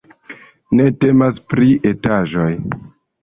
Ne temas pri etaĵoj.